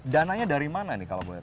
dananya dari mana